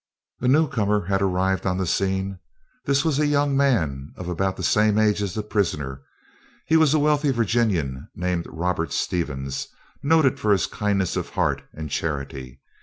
A new comer had arrived on the scene. This was a young man of about the same age as the prisoner. He was a wealthy Virginian named Robert Stevens, noted for his kindness of heart and charity.